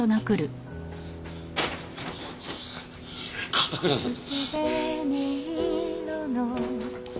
角倉さん。